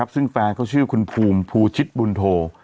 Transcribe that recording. ซึ่งแฟนเขาชื่อคุณภูมิภูชิตบุญโท